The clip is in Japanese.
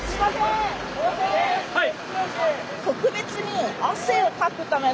はい！